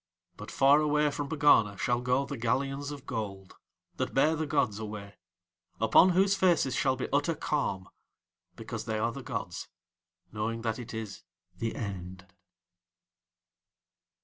But far away from Pegana shall go the galleons of gold that bear the gods away, upon whose faces shall be utter calm, because They are the gods knowing that it is THE END.